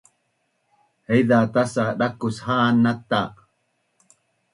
Haiza tas’a dakus ha’an nata